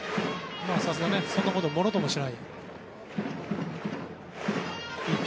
さすが、そんなことものともしない。